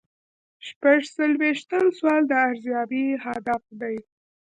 شپږ څلویښتم سوال د ارزیابۍ هدف دی.